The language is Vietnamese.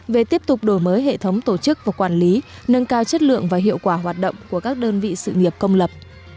về tiếp tục đổi mới hệ thống tổ chức và quản lý nâng cao chất lượng và hiệu quả hoạt động của các đơn vị sự nghiệp công lập